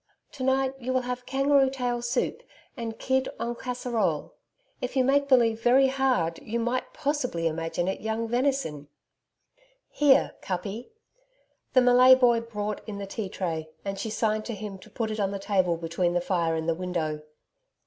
To night, you will have kangaroo tail soup, and kid EN CASSEROLE. If you make believe very hard you might possible imagine it young venison.... Here, Kuppi!' The Malay boy brought in the tea tray and she signed to him to put it on the table between the fire and the window.